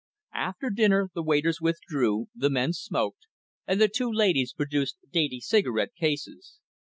After dinner, the waiters withdrew, the men smoked, and the two ladies produced dainty cigarette cases.